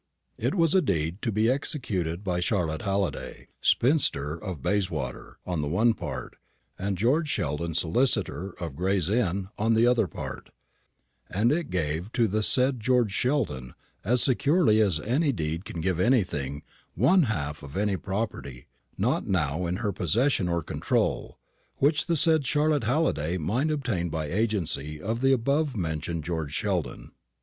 It was a deed to be executed by Charlotte Halliday, spinster, of Bayswater, on the one part, and George Sheldon, solicitor, of Gray's Inn, on the other part; and it gave to the said George Sheldon, as securely as any deed can give anything, one half of any property, not now in her possession or control, which the said Charlotte Halliday might obtain by the agency of the above mentioned George Sheldon.